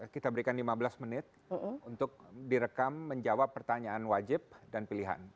kita berikan lima belas menit untuk direkam menjawab pertanyaan wajib dan pilihan